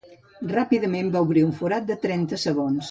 Ràpidament va obrir un forat de trenta segons.